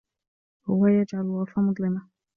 هو يجعل الغرفة مظلمة.